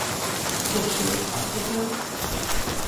Хто шоўк, а хто пыл?!